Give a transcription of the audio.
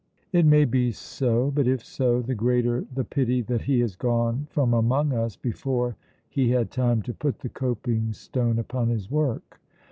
It may be so, but if so, the greater the pity that he has gone from among us before he had time to put the coping stone upon his work.